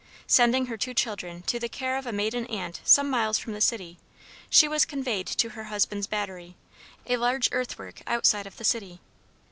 Sending her two children to the care of a maiden aunt some miles from the city, she was conveyed to her husband's battery, a large earth work outside of the city.